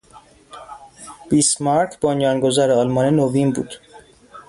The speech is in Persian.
بیسمارک بنیانگزار آلمان نوین بود.